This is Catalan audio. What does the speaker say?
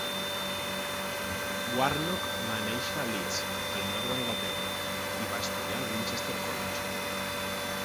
Warnock va néixer a Leeds, al nord d'Anglaterra, i va estudiar al Winchester College.